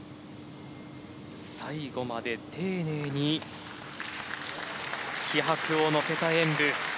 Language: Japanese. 最後まで丁寧に気迫を乗せた演武。